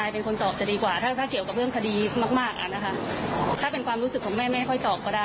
เป็นภูตรธรรมศุกร์แน่ในมุมของผู้สูบเสีย